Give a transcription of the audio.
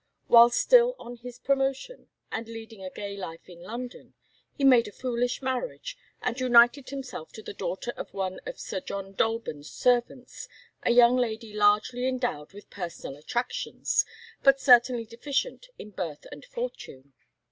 While still on his promotion, and leading a gay life in London, he made a foolish marriage, and united himself to the daughter of one of Sir John Dolben's servants, a young lady largely endowed with personal attractions, but certainly deficient in birth and fortune.